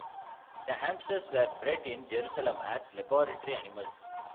The hamsters were bred in Jerusalem as laboratory animals.